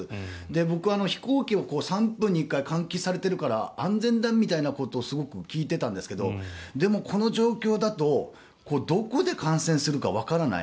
僕、飛行機は３分に１回、換気されているから安全だみたいなことをすごく聞いていたんですがでもこの状況だとどこで感染するかわからない。